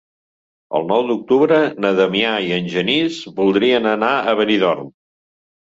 El nou d'octubre na Damià i en Genís voldrien anar a Benidorm.